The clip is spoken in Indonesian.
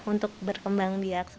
untuk berkembang dia